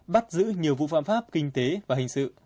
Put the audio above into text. bắt giữ nhiều vụ phạm pháp kinh tế và hình sự